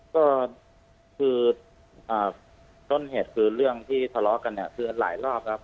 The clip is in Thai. ก็คือต้นเหตุคือเรื่องที่ทะเลาะกันเนี่ยคือหลายรอบครับ